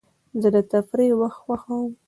زه د تفریح وخت خوښوم.